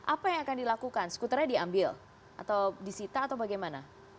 apa yang akan dilakukan skuternya diambil atau disita atau bagaimana